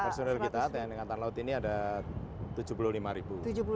personil kita tni angkatan laut ini ada tujuh puluh lima ribu